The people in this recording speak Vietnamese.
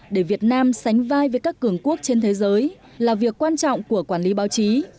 để việt nam sánh vai với các cường quốc trên thế giới là việc quan trọng của quản lý báo chí